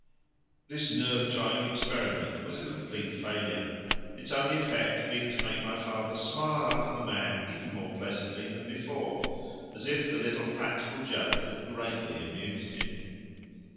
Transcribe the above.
This nerve trying experiment was a complete failure, its only effect being to make my father smile up at the man even more pleasantly than before, as if the little practical joke had greatly amused him.